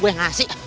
gue yang ngasih